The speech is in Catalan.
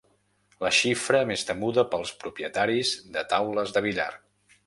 La xifra més temuda pels propietaris de taules de billar.